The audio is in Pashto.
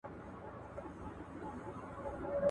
د مطالعې پیل باید له مناسب کتاب سره وي.